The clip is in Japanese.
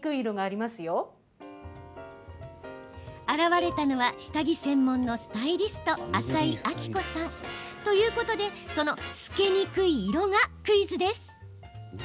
現れたのは下着専門のスタイリスト浅井明子さん。ということでその透けにくい色がクイズです。